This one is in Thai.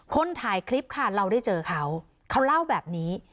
คนถ่ายคลิปค่ะเราได้เจอเขาเขาเล่าแบบนี้